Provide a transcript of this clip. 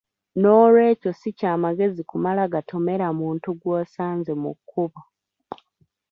Noolwekyo si kya magezi kumala gatomera muntu gw’osanze mu kkubo.